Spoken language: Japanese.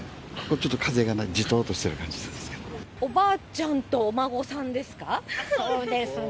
ちょっと風がなくてじとっとしておばあちゃんとお孫さんですそうです。